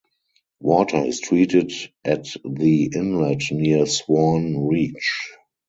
Water is treated at the inlet near Swan Reach.